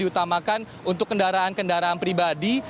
diutamakan untuk kendaraan kendaraan pribadi